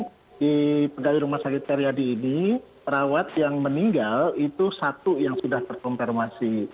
jadi di pegawai rumah sakit karyadi ini perawat yang meninggal itu satu yang sudah terkonfirmasi